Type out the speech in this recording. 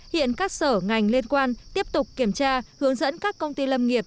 hiện các sở ngành liên quan tiếp tục kiểm tra hướng dẫn các công ty lâm nghiệp